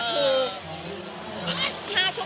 มีใครปิดปาก